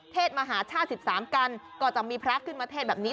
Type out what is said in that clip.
มหาชาติ๑๓กันก็จะมีพระขึ้นมาเทศแบบนี้